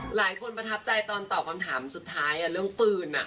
ประทับใจตอนตอบคำถามสุดท้ายเรื่องปืน